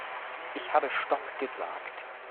Ich habe stopp gesagt.